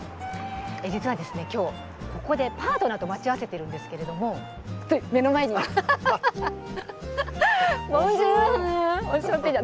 実は今日ここで、パートナーと待ち合わせているんですが目の前にいました。